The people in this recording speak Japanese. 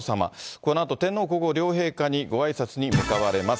このあと天皇皇后両陛下にごあいさつに向かわれます。